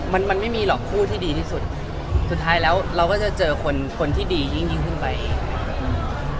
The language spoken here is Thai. มันไม่มีหรอกผู้ที่ดีที่สุดสุดท้ายแล้วเราก็จะเจอคนที่ดียิ่งขึ้นไปเอง